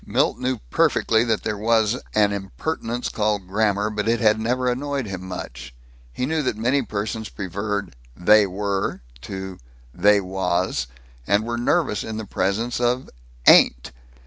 Milt knew perfectly that there was an impertinence called grammar, but it had never annoyed him much. He knew that many persons preferred "They were" to "They was," and were nervous in the presence of "ain't."